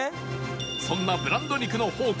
そんなブランド肉の宝庫